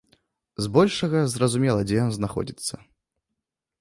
Збольшага, зразумела, дзе ён знаходзіцца.